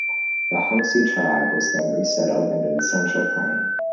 The Hunxie tribe was then resettled into the Central Plain.